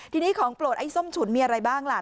ทีนี้ของโปรดไอ้ส้มฉุนมีอะไรบ้างล่ะ